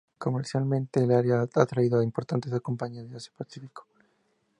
Comercialmente, el área ha atraído a importantes compañías de Asia Pacífico.